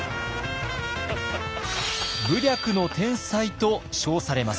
「武略の天才」と称されます。